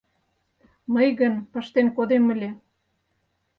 Мый гын пыштен кодем ыле.